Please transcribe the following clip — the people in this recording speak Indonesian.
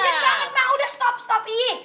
gadget banget mah udah stop stop iiih